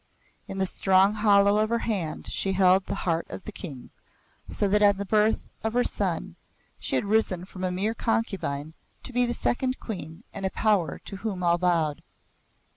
In the strong hollow of her hand she held the heart of the King, so that on the birth of her son she had risen from a mere concubine to be the second Queen and a power to whom all bowed.